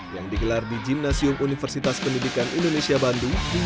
yang digelar di jimnasium universitas pendidikan indonesia bandung